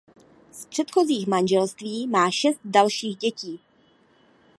Z předchozích manželství má šest dalších dětí.